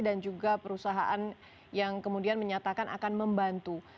dan juga perusahaan yang kemudian menyatakan akan membantu